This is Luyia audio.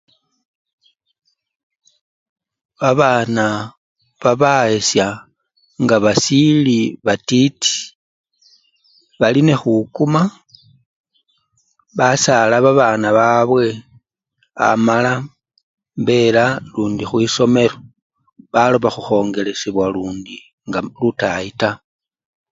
Babana baba esya nga basili batiti, bali nekhukuma basala babana babwe amala bela lundi khwisomelo baloba khukhongelesyebwa lundi nga lutayi taa.